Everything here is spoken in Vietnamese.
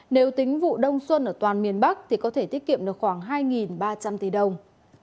nếu tính vụ đông xuân ở toàn miền bắc thì có thể tiết kiệm được khoảng hai ba trăm linh tỷ đồng